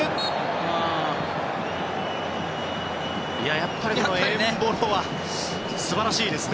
やっぱりエンボロは素晴らしいですね。